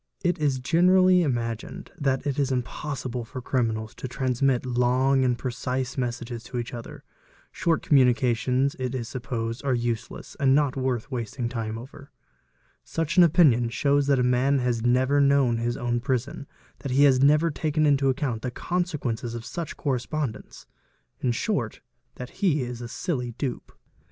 It is generally imagined that it is impossible for criminals to transmit long and precise messages to each other; short mmunications it is supposed are useless, and not worth wasting time er. Such an opinion shows that a man has never known his own 4,4 i BE, PSA ARIPO EL 346 PRACTICES OF CRIMINALS prison, that he has never taken into account the consequences of such — correspondence, in short that he is a silly dupe.